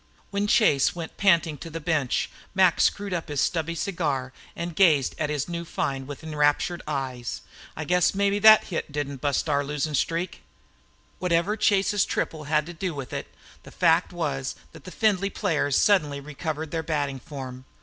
When Chase went panting to the bench Mac screwed up his stubby cigar and gazed at his new find with enraptured eyes. "I guess maybe thet hit didn't bust our losin' streak!" Whatever Chase's triple had to do with it, the fact was that the Findlay players suddenly recovered their batting form.